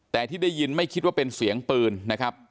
แต่ที่ได้ยินไม่คิดว่าเป็นเสียงปืนนะครับ